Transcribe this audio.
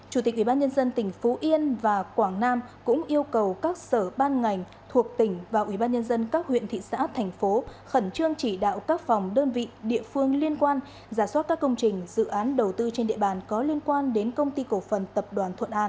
chủ tịch ubnd tỉnh phú yên và quảng nam cũng yêu cầu các sở ban ngành thuộc tỉnh và ubnd các huyện thị xã thành phố khẩn trương chỉ đạo các phòng đơn vị địa phương liên quan giả soát các công trình dự án đầu tư trên địa bàn có liên quan đến công ty cổ phần tập đoàn thuận an